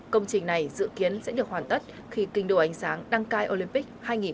công trình này dự kiến sẽ được hoàn tất khi kinh đồ ánh sáng đăng cai olympic hai nghìn hai mươi